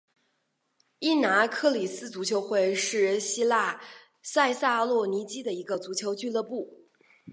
伊拿克里斯足球会是希腊塞萨洛尼基的一个足球俱乐部。